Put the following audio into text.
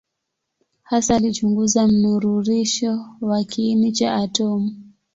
Hasa alichunguza mnururisho wa kiini cha atomu.